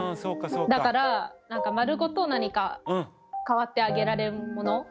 だから、なんか丸ごと代わってあげられるもの。